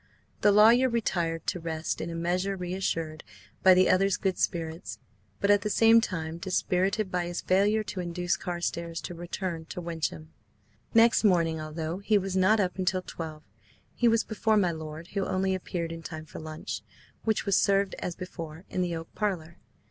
The lawyer retired to rest in a measure reassured by the other's good spirits, but at the same time dispirited by his failure to induce Carstares to return to Wyncham. Next morning, although he was not up until twelve, he was before my lord, who only appeared in time for lunch, which was served as before in the oak parlour.